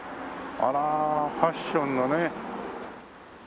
あらファッションのね。